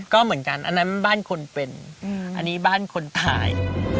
ก็เหมือนกันอันนั้นบ้านคนเป็นอันนี้บ้านคนตาย